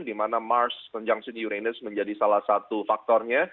dimana mars conjunction uranus menjadi salah satu faktornya